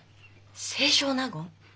清少納言！